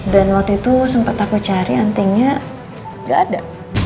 dan waktu itu sempet aku cari antingnya gak ada